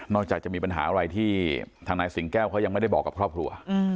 จากจะมีปัญหาอะไรที่ทางนายสิงแก้วเขายังไม่ได้บอกกับครอบครัว